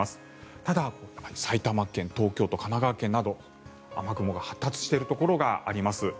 ただ埼玉県、東京都、神奈川県など雨雲が発達しているところがあります。